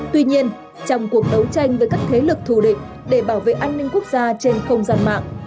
tuy nhiên trong cuộc đấu tranh với các thế lực thù địch để bảo vệ an ninh quốc gia trên không gian mạng